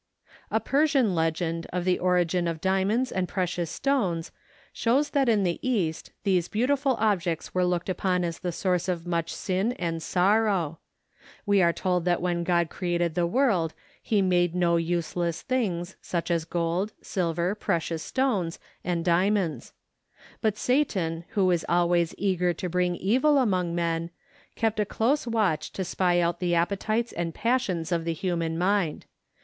A Persian legend of the origin of diamonds and precious stones shows that in the East these beautiful objects were looked upon as the source of much sin and sorrow. We are told that when God created the world he made no useless things, such as gold, silver, precious stones, and diamonds; but Satan, who is always eager to bring evil among men, kept a close watch to spy out the appetites and passions of the human mind.